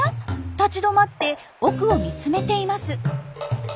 立ち止まって奥を見つめています。